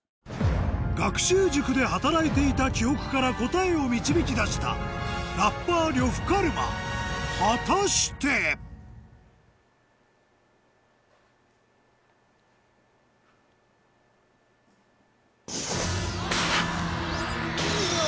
学習塾で働いていた記憶から答えを導き出したラッパー呂布カルマ果たして⁉残念！